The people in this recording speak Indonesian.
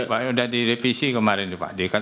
kembali pak sudah direvisi kemarin pak